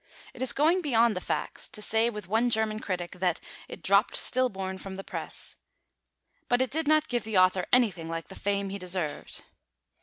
It is going beyond the facts to say with one German critic that "it dropped stillborn from the press"; but it did not give the author anything like the fame he deserved.